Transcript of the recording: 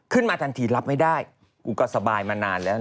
ขึ้นมาทันทีรับไม่ได้กูก็สบายมานานแล้ว